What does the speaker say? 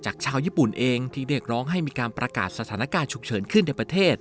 ชาวญี่ปุ่นเองที่เรียกร้องให้มีการประกาศสถานการณ์ฉุกเฉินขึ้นในประเทศ